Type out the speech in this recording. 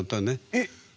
えっ！